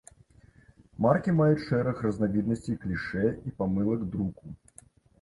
Маркі маюць шэраг разнавіднасцей клішэ і памылак друку.